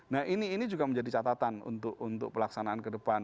nah ini juga menjadi catatan untuk pelaksanaan kedepan